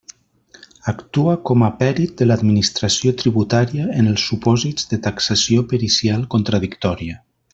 Actua com a pèrit de l'Administració tributària en els supòsits de taxació pericial contradictòria.